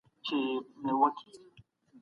ټول خلګ باید د ټولني د مصلحت لپاره کار وکړي.